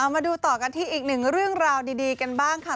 มาดูต่อกันที่อีกหนึ่งเรื่องราวดีกันบ้างค่ะ